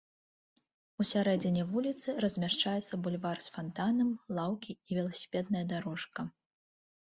Усярэдзіне вуліцы размяшчаецца бульвар з фантанам, лаўкі і веласіпедная дарожка.